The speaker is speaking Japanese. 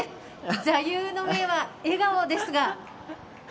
座右の銘は笑顔ですが。